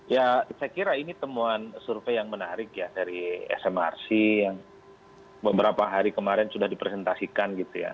ya saya kira ini temuan survei yang menarik ya dari smrc yang beberapa hari kemarin sudah dipresentasikan gitu ya